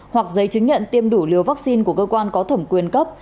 hoặc giấy chứng nhận tiêm đủ liều vaccine của cơ quan có thẩm quyền cấp